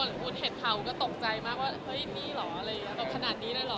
ทุกคนเห็นเขาก็ตกใจมากว่าเฮ้ยนี่เหรอโดยขนาดนี้หน้าเหรอ